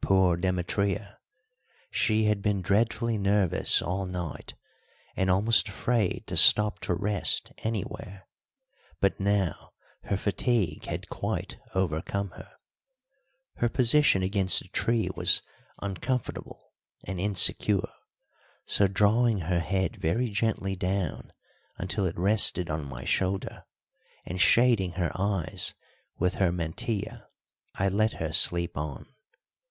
Poor Demetria, she had been dreadfully nervous all night and almost afraid to stop to rest anywhere, but now her fatigue had quite overcome her. Her position against the tree was uncomfortable and insecure, so, drawing her head very gently down until it rested on my shoulder, and shading her eyes with her mantilla, I let her sleep on.